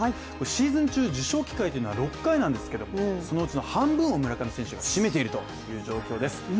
シーズン中、受賞機会というのは６回なんですけどもそのうちの半分を村上選手が占めているという状況です。